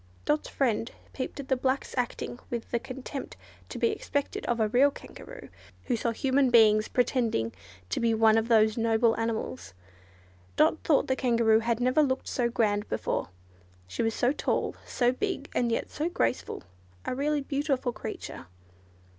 Dot's friend peeped at the black's acting with the contempt to be expected of a real Kangaroo, who saw human beings pretending to be one of those noble animals. Dot thought the Kangaroo had never looked so grand before. She was so tall, so big, and yet so graceful: a really beautiful creature.